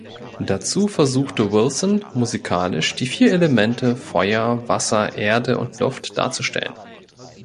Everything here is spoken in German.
Dazu versuchte Wilson, musikalisch die vier Elemente Feuer, Wasser, Erde und Luft darzustellen.